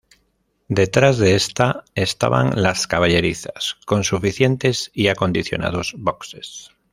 Detrás de esta estaban las caballerizas, con suficientes y acondicionados boxes.